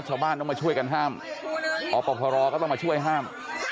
ชาวบ้านต้องมาช่วยกันห้ามอพรก็ต้องมาช่วยห้าม